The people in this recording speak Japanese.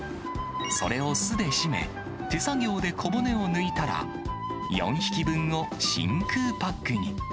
それを酢で絞め、手作業で小骨を抜いたら、４匹分を真空パックに。